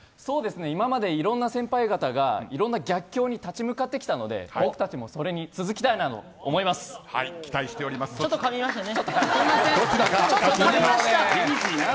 今までいろんな先輩方がいろんな逆境に立ち向かってきたので僕たちもそれに続きたいなとちょっと、かみましたね。